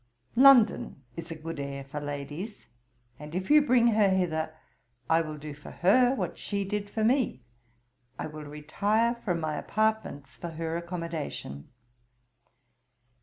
London is a good air for ladies; and if you bring her hither, I will do for her what she did for me I will retire from my apartments, for her accommodation.